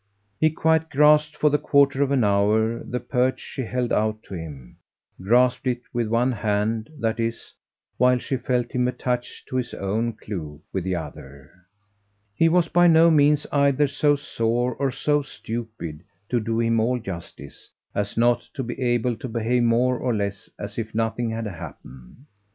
He quite grasped for the quarter of an hour the perch she held out to him grasped it with one hand, that is, while she felt him attached to his own clue with the other; he was by no means either so sore or so stupid, to do him all justice, as not to be able to behave more or less as if nothing had happened.